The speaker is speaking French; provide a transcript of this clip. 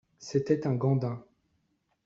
C’était un gandin…